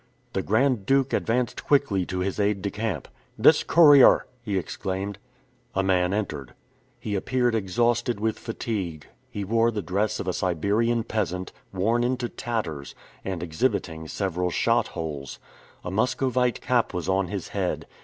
The Grand Duke advanced quickly to his aide de camp. "This courier!" he exclaimed. A man entered. He appeared exhausted with fatigue. He wore the dress of a Siberian peasant, worn into tatters, and exhibiting several shot holes. A Muscovite cap was on his head.